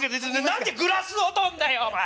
何でグラスを取んだよお前！